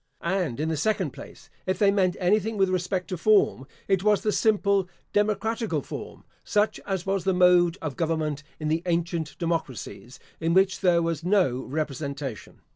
And, in the second place, if they meant anything with respect to form, it was the simple democratical form, such as was the mode of government in the ancient democracies, in which there was no representation.